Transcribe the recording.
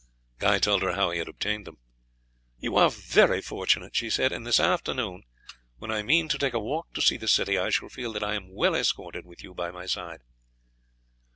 Guy told her how he had obtained them. "You are very fortunate," she said, "and this afternoon, when I mean to take a walk to see the city, I shall feel that I am well escorted with you by my side."